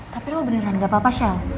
tapi lo beneran gak papa shelf